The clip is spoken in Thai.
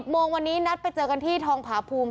โมงวันนี้นัดไปเจอกันที่ทองผาภูมิ